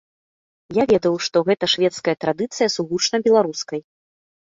Я ведаў, што гэта шведская традыцыя сугучна беларускай.